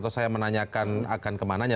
atau saya menanyakan akan kemananya